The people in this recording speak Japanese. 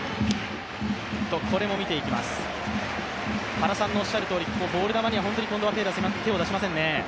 原さんのおっしゃるとおり、ボール球には本当に手を出しませんね。